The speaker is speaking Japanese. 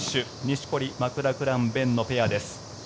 錦織、マクラクラン勉のペアです。